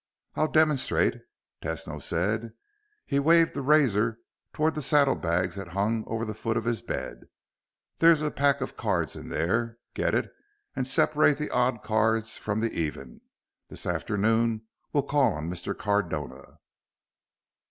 "I'll demonstrate," Tesno said. He waved the razor toward the saddlebags that hung over the foot of his bed. "There's a pack of cards in there. Get it and separate the odd cards from the even. This afternoon we'll call on Mr. Cardona."